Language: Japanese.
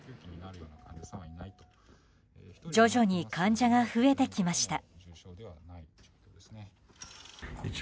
徐々に患者が増えてきました。